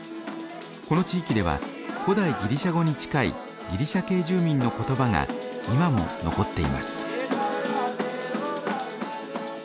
この地域では古代ギリシャ語に近いギリシャ系住民の言葉が今も残っています。